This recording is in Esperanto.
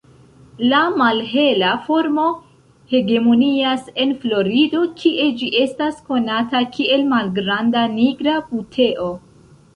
La malhela formo hegemonias en Florido, kie ĝi estas konata kiel "malgranda nigra buteo".